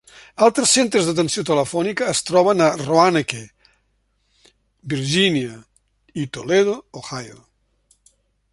Altres centres d'atenció telefònica es troben a Roanoke, Virgínia i Toledo, Ohio.